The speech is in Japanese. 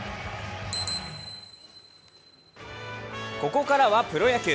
ここからはプロ野球。